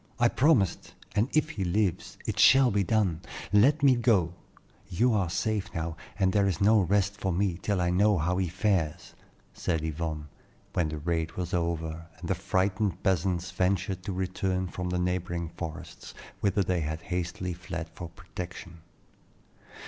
I promised, and if he lives, it shall be done. Let me go; you are safe now, and there is no rest for me till I know how he fares," said Yvonne, when the raid was over, and the frightened peasants ventured to return from the neighboring forests, whither they had hastily fled for protection.